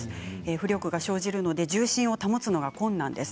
浮力が生じるので重心を保つのは困難です。